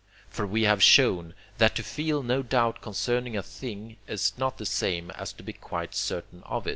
For we have shown, that to feel no doubt concerning a thing is not the same as to be quite certain of it (II.